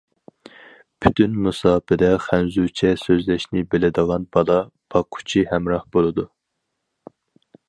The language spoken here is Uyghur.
پۈتۈن مۇساپىدە خەنزۇچە سۆزلەشنى بىلىدىغان بالا باققۇچى ھەمراھ بولىدۇ.